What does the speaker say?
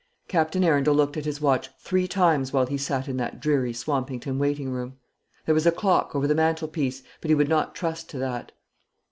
Captain Arundel looked at his watch three times while he sat in that dreary Swampington waiting room. There was a clock over the mantelpiece, but he would not trust to that.